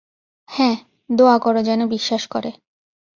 হ্যাঁ, দোয়া করো যেনো বিশ্বাস করে।